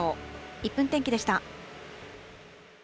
１分天気でした。